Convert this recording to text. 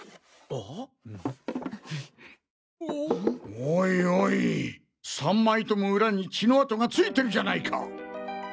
おいおい３枚ともウラに血の跡が付いてるじゃないか！